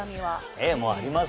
ええもうあります